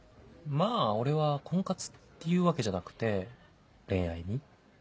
まぁ俺は婚活っていうわけじゃなくて恋愛に。